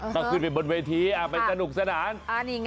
ก็ขึ้นไปบนเวทีไปสนุกสนาน